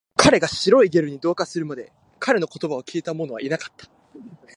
彼が白いゲルに同化するまで、彼の言葉を聞いたものはいなかった